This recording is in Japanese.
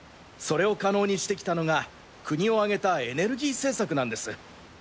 それを可能にしてきたのが国を挙げたエネルギー政策なんです。